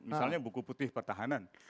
misalnya buku putih pertahanan